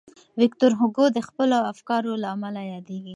ویکټور هوګو د خپلو افکارو له امله یادېږي.